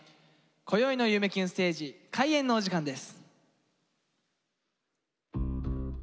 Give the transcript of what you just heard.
こよいの「夢キュンステージ」開演のお時間です。